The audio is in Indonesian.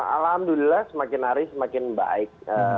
alhamdulillah semakin hari semakin baik